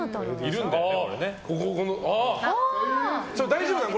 大丈夫なの？